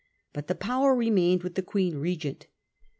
But the power remained with the Queen Regent.